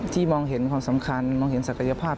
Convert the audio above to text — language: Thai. มองเห็นความสำคัญมองเห็นศักยภาพ